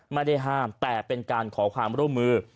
ไม่ได้ห้ามแต่เป็นการขอความร่วมมือ